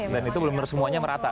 dan itu benar benar semuanya merata